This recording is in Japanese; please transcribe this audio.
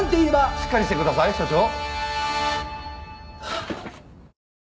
しっかりしてください署長。